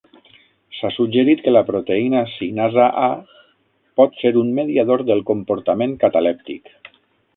S'ha suggerit que la proteïna-cinasa A pot ser un mediador del comportament catalèptic.